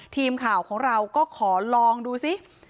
ทีมข่าวของเราก็ขอลองดูซิ